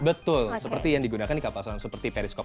betul seperti yang digunakan di kapal selam seperti periskop